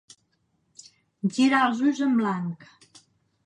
Girar els ulls en blanc.